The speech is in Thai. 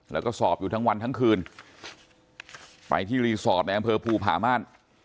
แล้วก็สอบอยู่ทั้งวันทั้งคืนไปที่รีสอร์ทในอำเภอภูผาม่าน